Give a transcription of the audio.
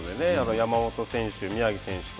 山本選手宮城選手と。